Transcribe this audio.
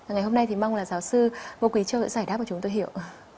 ngày hôm nay thì mong là giáo sư ngô quỳ châu sẽ giải đáp cho chúng tôi hiểu